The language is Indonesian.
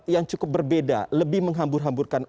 yang cukup berbeda lebih menghambur hamburkan